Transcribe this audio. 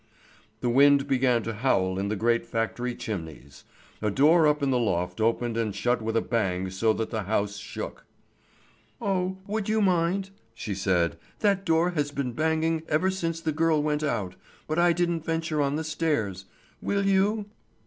The wind began to howl in the great factory chimneys. A door up in the loft opened and shut with a bang so that the house shook. "Oh, would you mind?" she said. "That door has been banging ever since the girl went out, but I didn't venture on the stairs. Will you?"